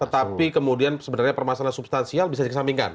tetapi kemudian sebenarnya permasalahan substansial bisa dikesampingkan